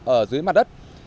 ở dưới này